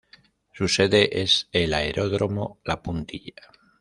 Su sede es el Aeródromo La Puntilla.